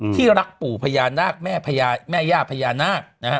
ที่รักปู่พญานาคแม่ย่าพญานาค